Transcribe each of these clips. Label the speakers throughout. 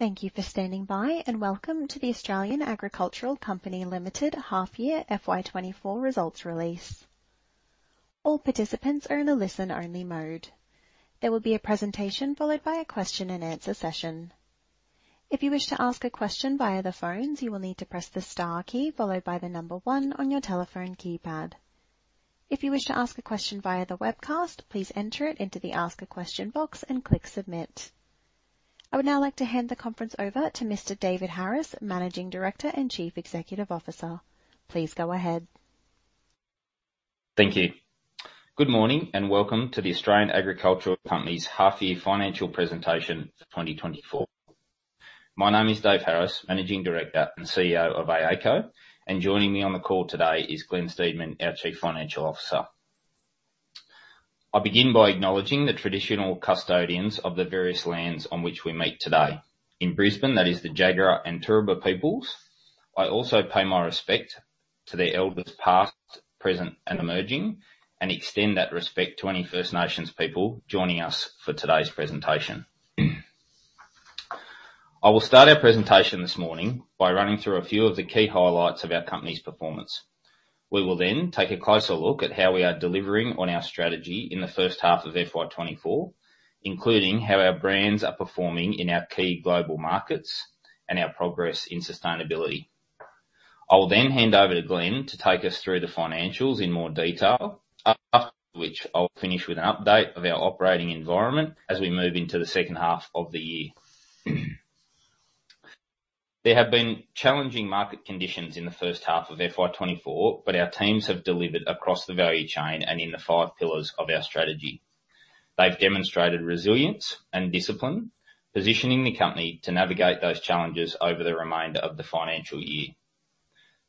Speaker 1: Thank you for standing by, and welcome to the Australian Agricultural Company Limited half-year FY 2024 results release. All participants are in a listen-only mode. There will be a presentation followed by a question and answer session. If you wish to ask a question via the phones, you will need to press the star key followed by the number one on your telephone keypad. If you wish to ask a question via the webcast, please enter it into the Ask a Question box and click Submit. I would now like to hand the conference over to Mr. David Harris, Managing Director and Chief Executive Officer. Please go ahead.
Speaker 2: Thank you. Good morning, and welcome to the Australian Agricultural Company's half-year financial presentation for 2024. My name is Dave Harris, Managing Director and CEO of AACo, and joining me on the call today is Glen Steedman, our Chief Financial Officer. I'll begin by acknowledging the traditional custodians of the various lands on which we meet today. In Brisbane, that is the Jagera and Turrbal peoples. I also pay my respect to their elders, past, present, and emerging, and extend that respect to any First Nations people joining us for today's presentation. I will start our presentation this morning by running through a few of the key highlights of our company's performance. We will then take a closer look at how we are delivering on our strategy in the first half of FY 2024, including how our brands are performing in our key global markets and our progress in sustainability. I will then hand over to Glen to take us through the financials in more detail, after which I'll finish with an update of our operating environment as we move into the second half of the year. There have been challenging market conditions in the first half of FY 2024, but our teams have delivered across the value chain and in the 5 pillars of our strategy. They've demonstrated resilience and discipline, positioning the company to navigate those challenges over the remainder of the financial year.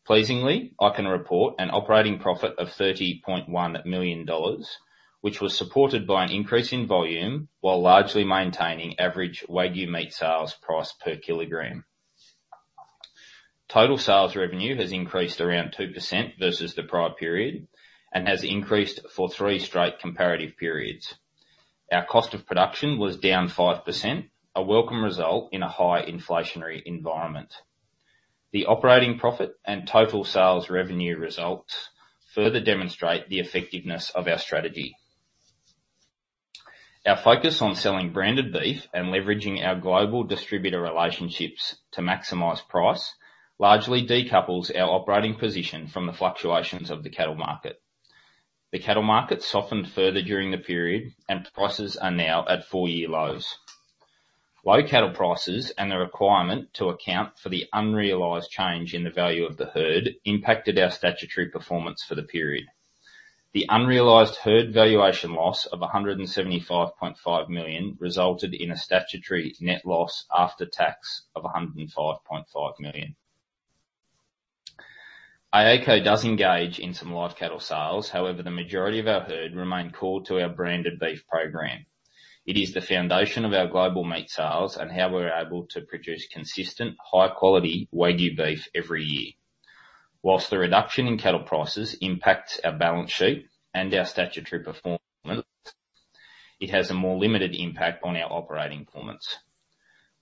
Speaker 2: Pleasingly, I can report an operating profit of 30.1 million dollars, which was supported by an increase in volume while largely maintaining average Wagyu meat sales price per kilogram. Total sales revenue has increased around 2% versus the prior period and has increased for three straight comparative periods. Our cost of production was down 5%, a welcome result in a high inflationary environment. The operating profit and total sales revenue results further demonstrate the effectiveness of our strategy. Our focus on selling branded beef and leveraging our global distributor relationships to maximize price, largely decouples our operating position from the fluctuations of the cattle market. The cattle market softened further during the period, and prices are now at four-year lows. Low cattle prices and the requirement to account for the unrealized change in the value of the herd impacted our statutory performance for the period. The unrealized herd valuation loss of 175.5 million resulted in a statutory net loss after tax of 105.5 million. AACo does engage in some live cattle sales; however, the majority of our herd remain core to our branded beef program. It is the foundation of our global meat sales and how we're able to produce consistent, high-quality Wagyu beef every year. Whilst the reduction in cattle prices impacts our balance sheet and our statutory performance, it has a more limited impact on our operating performance.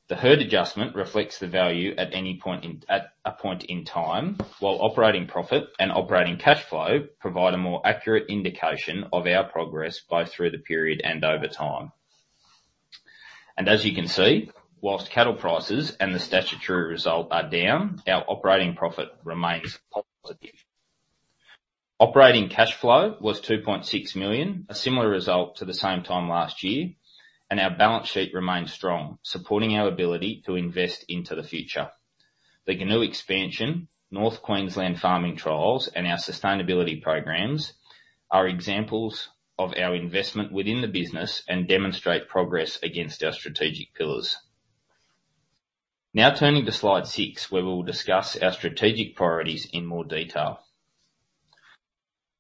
Speaker 2: The herd adjustment reflects the value at a point in time, while operating profit and operating cashflow provide a more accurate indication of our progress, both through the period and over time. As you can see, whilst cattle prices and the statutory result are down, our operating profit remains positive. Operating cashflow was 2.6 million, a similar result to the same time last year, and our balance sheet remains strong, supporting our ability to invest into the future. The Goonoo expansion, North Queensland farming trials, and our sustainability programs, are examples of our investment within the business and demonstrate progress against our strategic pillars. Now turning to slide six, where we will discuss our strategic priorities in more detail.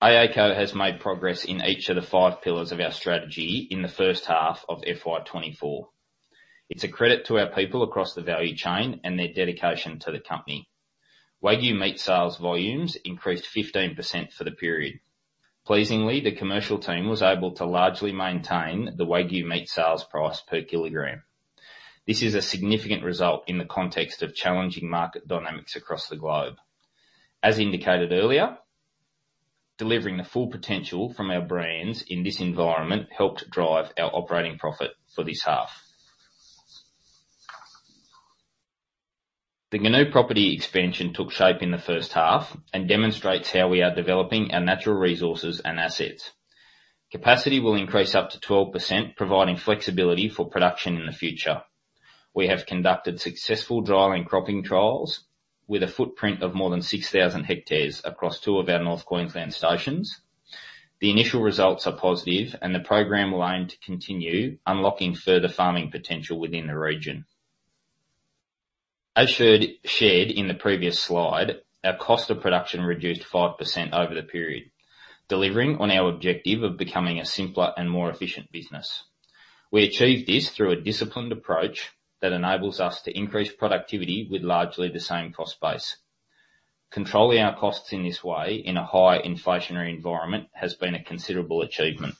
Speaker 2: AACo has made progress in each of the five pillars of our strategy in the first half of FY 2024. It's a credit to our people across the value chain and their dedication to the company. Wagyu meat sales volumes increased 15% for the period. Pleasingly, the commercial team was able to largely maintain the Wagyu meat sales price per kilogram. This is a significant result in the context of challenging market dynamics across the globe. As indicated earlier, delivering the full potential from our brands in this environment helped drive our operating profit for this half. The Goonoo property expansion took shape in the first half and demonstrates how we are developing our natural resources and assets. Capacity will increase up to 12%, providing flexibility for production in the future. We have conducted successful drilling, cropping trials with a footprint of more than 6,000 hectares across two of our North Queensland stations. The initial results are positive, and the program will aim to continue unlocking further farming potential within the region. As shared in the previous slide, our cost of production reduced 5% over the period, delivering on our objective of becoming a simpler and more efficient business. We achieved this through a disciplined approach that enables us to increase productivity with largely the same cost base. Controlling our costs in this way, in a high inflationary environment, has been a considerable achievement.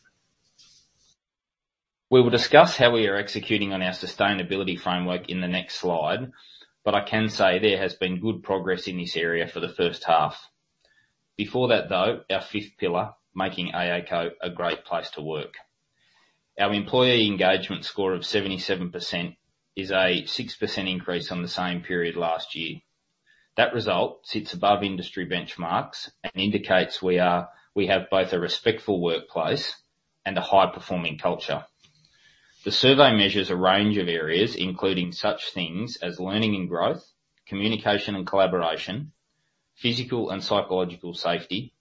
Speaker 2: We will discuss how we are executing on our sustainability framework in the next slide, but I can say there has been good progress in this area for the first half. Before that, though, our fifth pillar, making AACo a great place to work. Our employee engagement score of 77% is a 6% increase on the same period last year. That result sits above industry benchmarks and indicates we are, we have both a respectful workplace and a high-performing culture. The survey measures a range of areas, including such things as learning and growth, communication and collaboration, physical and psychological safety,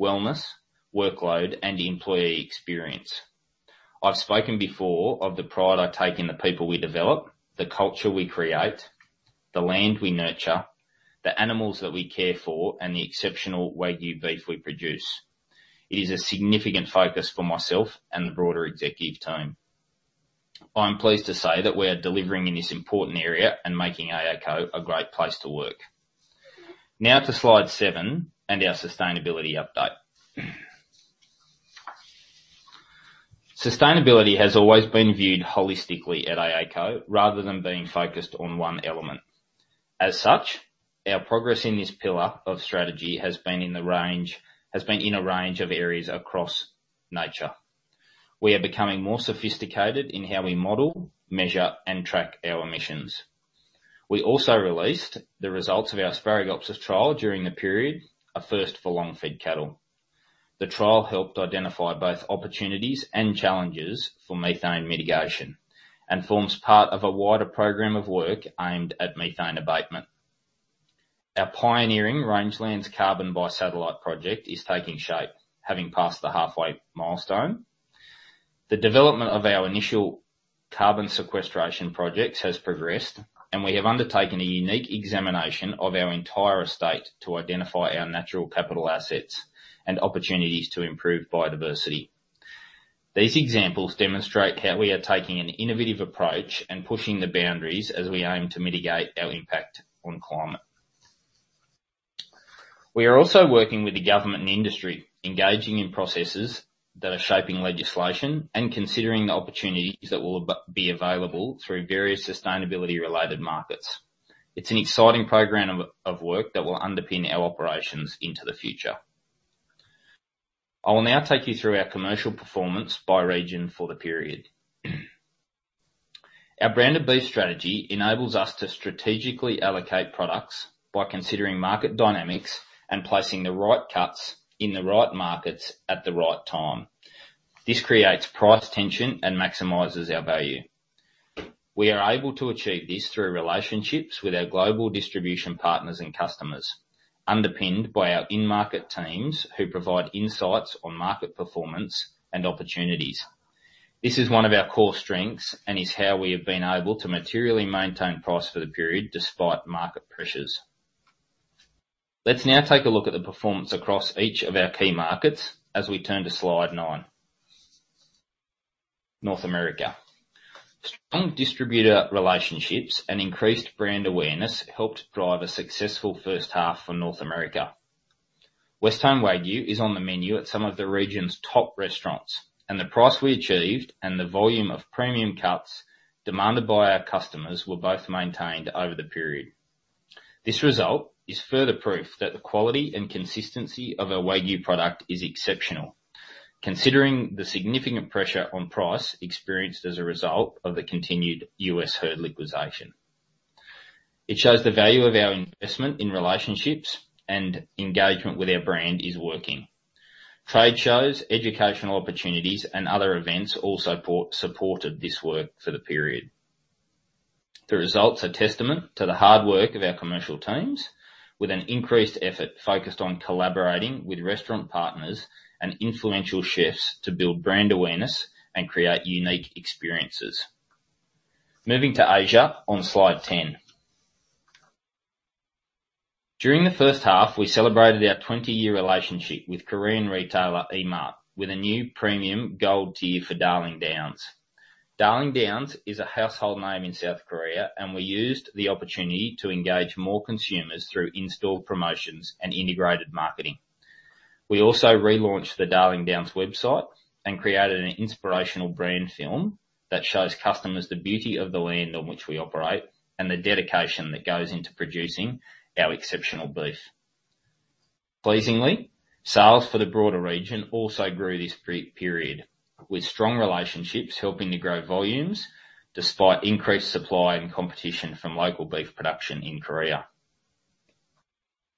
Speaker 2: wellness, workload, and employee experience. I've spoken before of the pride I take in the people we develop, the culture we create, the land we nurture, the animals that we care for, and the exceptional Wagyu beef we produce. It is a significant focus for myself and the broader executive team. I'm pleased to say that we are delivering in this important area and making AACo a great place to work. Now to slide seven and our sustainability update. Sustainability has always been viewed holistically at AACo rather than being focused on one element. As such, our progress in this pillar of strategy has been in a range of areas across nature. We are becoming more sophisticated in how we model, measure, and track our emissions. We also released the results of our Asparagopsis trial during the period, a first for long-fed cattle. The trial helped identify both opportunities and challenges for methane mitigation and forms part of a wider program of work aimed at methane abatement. Our pioneering rangelands carbon by satellite project is taking shape, having passed the halfway milestone. The development of our initial carbon sequestration projects has progressed, and we have undertaken a unique examination of our entire estate to identify our natural capital assets and opportunities to improve biodiversity. These examples demonstrate how we are taking an innovative approach and pushing the boundaries as we aim to mitigate our impact on climate. We are also working with the government and industry, engaging in processes that are shaping legislation and considering the opportunities that will be available through various sustainability-related markets. It's an exciting program of work that will underpin our operations into the future. I will now take you through our commercial performance by region for the period. Our brand of beef strategy enables us to strategically allocate products by considering market dynamics and placing the right cuts in the right markets at the right time. This creates price tension and maximizes our value. We are able to achieve this through relationships with our global distribution partners and customers, underpinned by our in-market teams, who provide insights on market performance and opportunities. This is one of our core strengths and is how we have been able to materially maintain price for the period, despite market pressures. Let's now take a look at the performance across each of our key markets as we turn to slide nine. North America. Strong distributor relationships and increased brand awareness helped drive a successful first half for North America. Westholme Wagyu is on the menu at some of the region's top restaurants, and the price we achieved and the volume of premium cuts demanded by our customers were both maintained over the period. This result is further proof that the quality and consistency of our Wagyu product is exceptional, considering the significant pressure on price experienced as a result of the continued U.S. herd liquidation. It shows the value of our investment in relationships and engagement with our brand is working. Trade shows, educational opportunities, and other events also supported this work for the period. The results are testament to the hard work of our commercial teams, with an increased effort focused on collaborating with restaurant partners and influential chefs to build brand awareness and create unique experiences. Moving to Asia on slide 10. During the first half, we celebrated our 20-year relationship with Korean retailer Emart, with a new premium gold tier for Darling Downs. Darling Downs is a household name in South Korea, and we used the opportunity to engage more consumers through in-store promotions and integrated marketing. We also relaunched the Darling Downs website and created an inspirational brand film that shows customers the beauty of the land on which we operate and the dedication that goes into producing our exceptional beef. Pleasingly, sales for the broader region also grew this period, with strong relationships helping to grow volumes despite increased supply and competition from local beef production in Korea.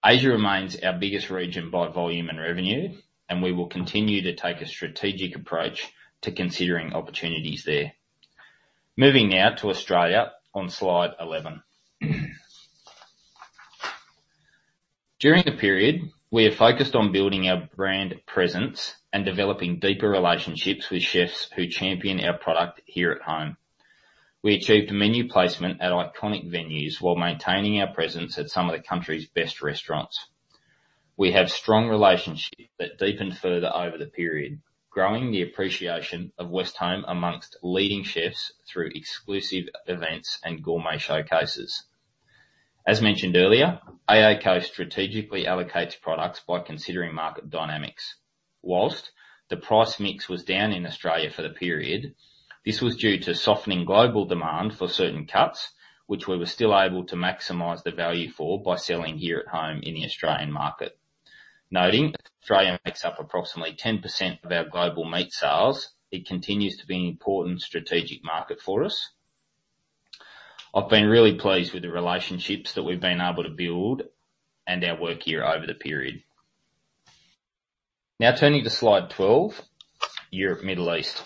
Speaker 2: Asia remains our biggest region by volume and revenue, and we will continue to take a strategic approach to considering opportunities there. Moving now to Australia on slide 11. During the period, we have focused on building our brand presence and developing deeper relationships with chefs who champion our product here at home. We achieved menu placement at iconic venues while maintaining our presence at some of the country's best restaurants. We have strong relationships that deepened further over the period, growing the appreciation of Westholme amongst leading chefs through exclusive events and gourmet showcases....As mentioned earlier, AACo strategically allocates products by considering market dynamics. While the price mix was down in Australia for the period, this was due to softening global demand for certain cuts, which we were still able to maximize the value for by selling here at home in the Australian market. Noting, Australia makes up approximately 10% of our global meat sales, it continues to be an important strategic market for us. I've been really pleased with the relationships that we've been able to build and our work here over the period. Now turning to slide 12, Europe, Middle East.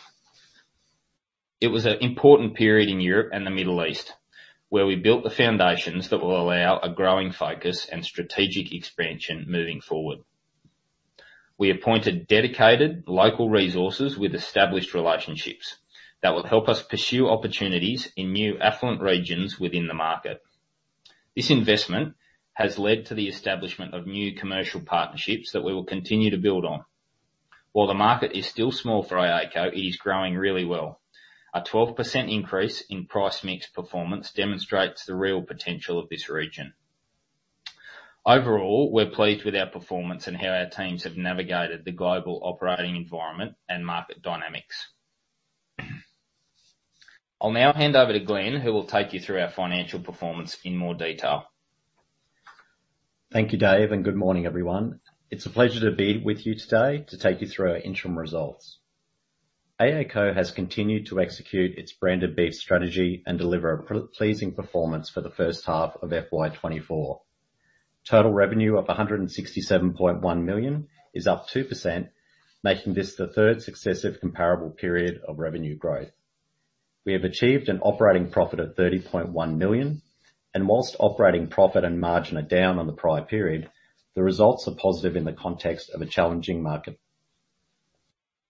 Speaker 2: It was an important period in Europe and the Middle East, where we built the foundations that will allow a growing focus and strategic expansion moving forward. We appointed dedicated local resources with established relationships that will help us pursue opportunities in new affluent regions within the market. This investment has led to the establishment of new commercial partnerships that we will continue to build on. While the market is still small for AACo, it is growing really well. A 12% increase in price mix performance demonstrates the real potential of this region. Overall, we're pleased with our performance and how our teams have navigated the global operating environment and market dynamics. I'll now hand over to Glen, who will take you through our financial performance in more detail.
Speaker 3: Thank you, Dave, and good morning, everyone. It's a pleasure to be with you today to take you through our interim results. AACo has continued to execute its brand of beef strategy and deliver a pleasing performance for the first half of FY 2024. Total revenue of 167.1 million is up 2%, making this the third successive comparable period of revenue growth. We have achieved an operating profit of 30.1 million, and whilst operating profit and margin are down on the prior period, the results are positive in the context of a challenging market.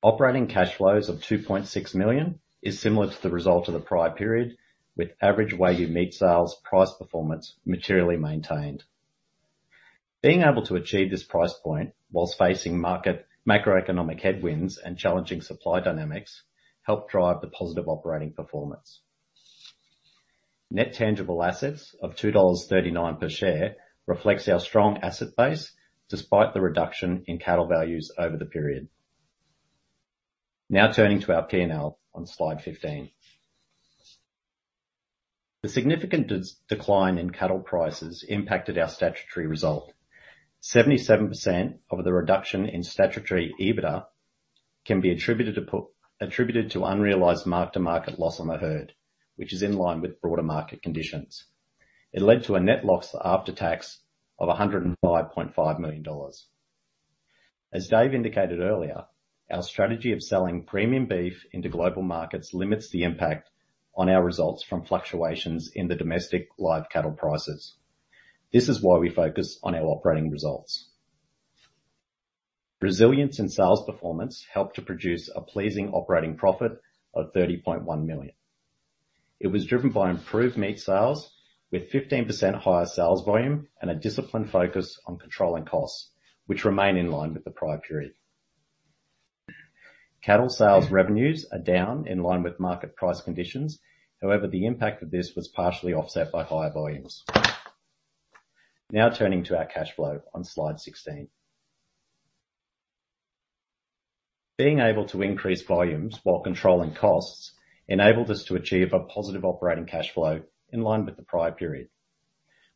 Speaker 3: Operating cash flows of 2.6 million is similar to the result of the prior period, with average weighted meat sales price performance materially maintained. Being able to achieve this price point while facing market macroeconomic headwinds and challenging supply dynamics helped drive the positive operating performance. Net tangible assets of 2.39 dollars per share reflects our strong asset base, despite the reduction in cattle values over the period. Now turning to our P&L on Slide 15. The significant decline in cattle prices impacted our statutory result. 77% of the reduction in statutory EBITDA can be attributed to unrealized mark-to-market loss on the herd, which is in line with broader market conditions. It led to a net loss after tax of 105.5 million dollars. As Dave indicated earlier, our strategy of selling premium beef into global markets limits the impact on our results from fluctuations in the domestic live cattle prices. This is why we focus on our operating results. Resilience in sales performance helped to produce a pleasing operating profit of 30.1 million. It was driven by improved meat sales, with 15% higher sales volume and a disciplined focus on controlling costs, which remain in line with the prior period. Cattle sales revenues are down in line with market price conditions. However, the impact of this was partially offset by higher volumes. Now turning to our cash flow on Slide 16. Being able to increase volumes while controlling costs, enabled us to achieve a positive operating cash flow in line with the prior period.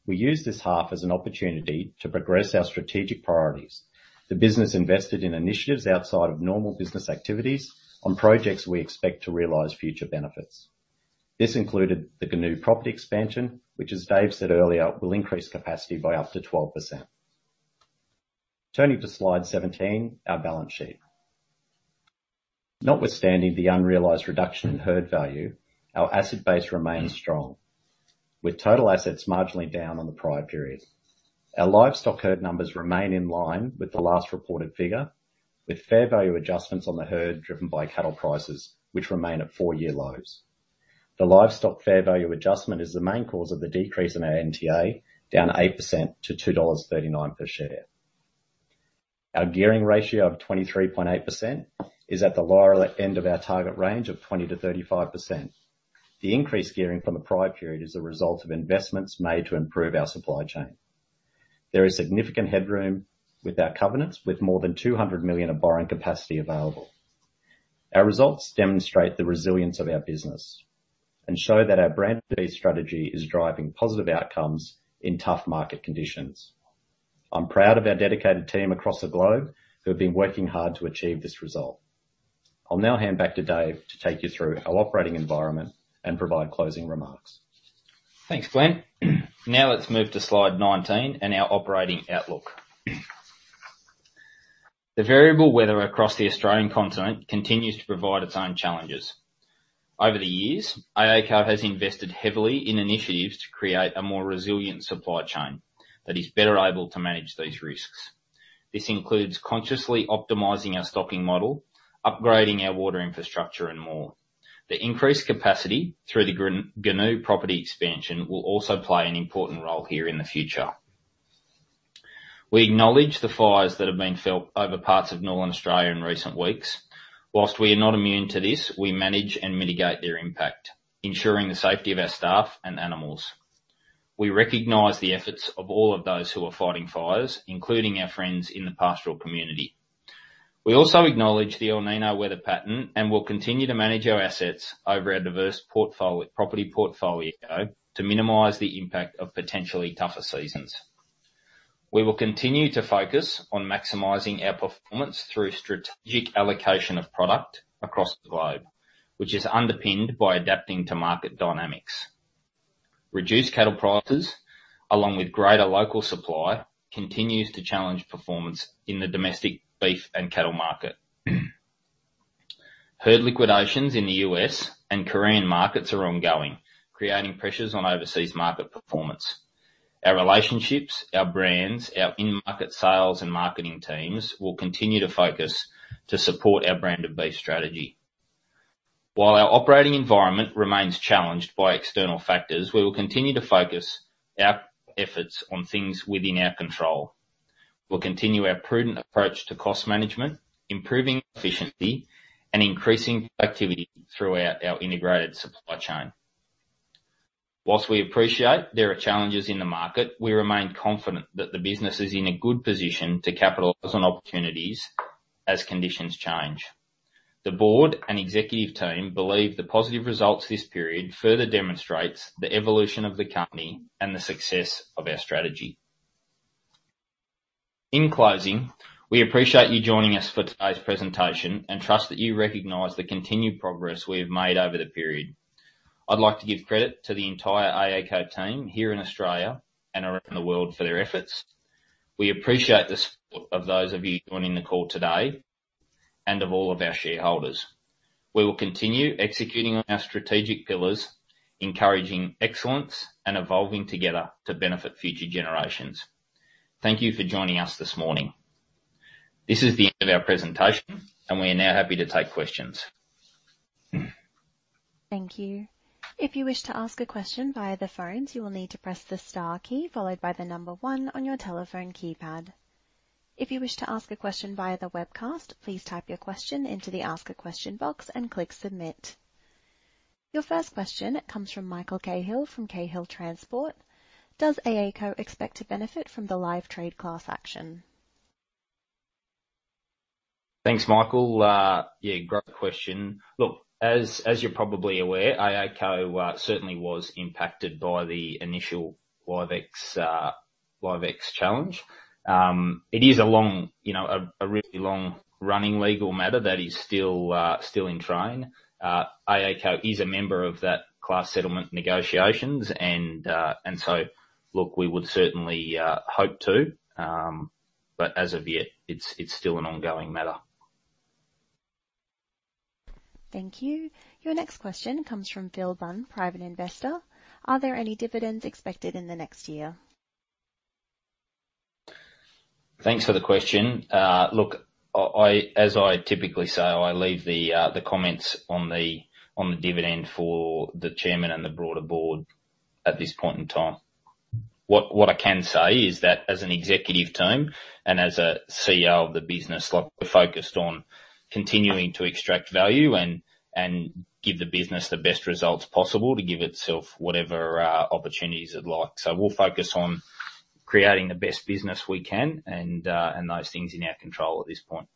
Speaker 3: We used this half as an opportunity to progress our strategic priorities. The business invested in initiatives outside of normal business activities on projects we expect to realize future benefits. This included the Goonoo property expansion, which, as Dave said earlier, will increase capacity by up to 12%. Turning to Slide 17, our balance sheet. Notwithstanding the unrealized reduction in herd value, our asset base remains strong, with total assets marginally down on the prior period. Our livestock herd numbers remain in line with the last reported figure, with fair value adjustments on the herd driven by cattle prices, which remain at four-year lows. The livestock fair value adjustment is the main cause of the decrease in our NTA, down 8% to 2.39 dollars per share. Our gearing ratio of 23.8% is at the lower end of our target range of 20%-35%. The increased gearing from the prior period is a result of investments made to improve our supply chain. There is significant headroom with our covenants, with more than 200 million of borrowing capacity available. Our results demonstrate the resilience of our business and show that our brand-based strategy is driving positive outcomes in tough market conditions. I'm proud of our dedicated team across the globe who have been working hard to achieve this result. I'll now hand back to Dave to take you through our operating environment and provide closing remarks.
Speaker 2: Thanks, Glen. Now let's move to slide 19 and our operating outlook. The variable weather across the Australian continent continues to provide its own challenges. Over the years, AACo has invested heavily in initiatives to create a more resilient supply chain that is better able to manage these risks. This includes consciously optimizing our stocking model, upgrading our water infrastructure, and more. The increased capacity through the Goonoo property expansion will also play an important role here in the future. We acknowledge the fires that have been felt over parts of Northern Australia in recent weeks. While we are not immune to this, we manage and mitigate their impact, ensuring the safety of our staff and animals. We recognize the efforts of all of those who are fighting fires, including our friends in the pastoral community. We also acknowledge the El Niño weather pattern, and will continue to manage our assets over our diverse property portfolio to minimize the impact of potentially tougher seasons. We will continue to focus on maximizing our performance through strategic allocation of product across the globe, which is underpinned by adapting to market dynamics. Reduced cattle prices, along with greater local supply, continues to challenge performance in the domestic beef and cattle market. Herd liquidations in the U.S. and Korean markets are ongoing, creating pressures on overseas market performance. Our relationships, our brands, our in-market sales and marketing teams will continue to focus to support our brand of beef strategy. While our operating environment remains challenged by external factors, we will continue to focus our efforts on things within our control. We'll continue our prudent approach to cost management, improving efficiency, and increasing productivity throughout our integrated supply chain. While we appreciate there are challenges in the market, we remain confident that the business is in a good position to capitalize on opportunities as conditions change. The board and executive team believe the positive results this period further demonstrates the evolution of the company and the success of our strategy. In closing, we appreciate you joining us for today's presentation, and trust that you recognize the continued progress we have made over the period. I'd like to give credit to the entire AACo team here in Australia and around the world for their efforts. We appreciate the support of those of you joining the call today, and of all of our shareholders. We will continue executing on our strategic pillars, encouraging excellence, and evolving together to benefit future generations. Thank you for joining us this morning. This is the end of our presentation, and we are now happy to take questions.
Speaker 1: Thank you. If you wish to ask a question via the phones, you will need to press the star key followed by the number one on your telephone keypad. If you wish to ask a question via the webcast, please type your question into the Ask a Question box and click Submit. Your first question comes from Michael Cahill, from Cahill Transport: Does AACo expect to benefit from the live trade class action?
Speaker 2: Thanks, Michael. Yeah, great question. Look, as you're probably aware, AACo certainly was impacted by the initial Livex challenge. It is a long, you know, a really long-running legal matter that is still in train. AACo is a member of that class settlement negotiations, and so, look, we would certainly hope to, but as of yet, it's still an ongoing matter.
Speaker 1: Thank you. Your next question comes from Phil Bunn, private investor:Are there any dividends expected in the next year?
Speaker 2: Thanks for the question. Look, as I typically say, I leave the comments on the dividend for the chairman and the broader board at this point in time. What I can say is that, as an executive team and as a CEO of the business, look, we're focused on continuing to extract value and give the business the best results possible to give itself whatever opportunities it'd like. So we'll focus on creating the best business we can and those things in our control at this point.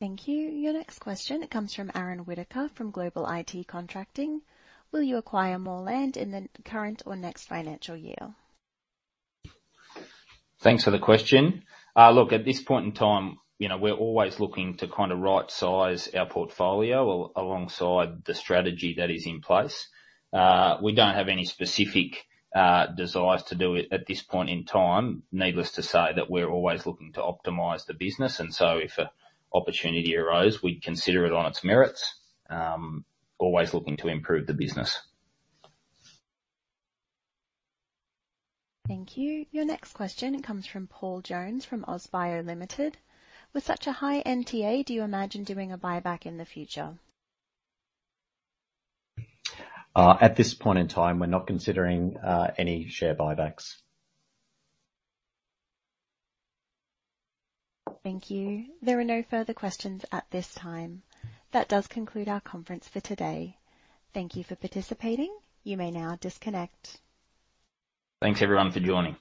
Speaker 1: Thank you. Your next question comes from Aaron Whitaker, from Global IT Contracting: Will you acquire more land in the current or next financial year?
Speaker 2: Thanks for the question. Look, at this point in time, you know, we're always looking to kind of rightsize our portfolio alongside the strategy that is in place. We don't have any specific desires to do it at this point in time. Needless to say, that we're always looking to optimize the business, and so if an opportunity arose, we'd consider it on its merits. Always looking to improve the business.
Speaker 1: Thank you. Your next question comes from Paul Jones, from Ausbio Limited: With such a high NTA, do you imagine doing a buyback in the future?
Speaker 2: At this point in time, we're not considering any share buybacks.
Speaker 1: Thank you. There are no further questions at this time. That does conclude our conference for today. Thank you for participating. You may now disconnect.
Speaker 2: Thanks everyone for joining.